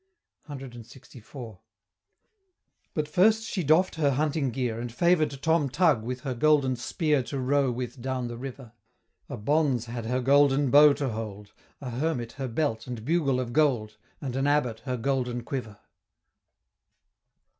CLXIV. But first she doff'd her hunting gear, And favor'd Tom Tug with her golden spear To row with down the river A Bonz had her golden bow to hold; A Hermit her belt and bugle of gold; And an Abbot her golden quiver.